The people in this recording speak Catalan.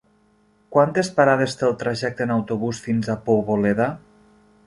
Quantes parades té el trajecte en autobús fins a Poboleda?